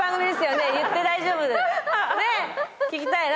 ねっ聞きたいな。